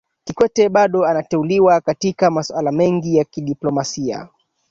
Kikwete bado anateuliwa katika masuala mengi ya kidiplomasia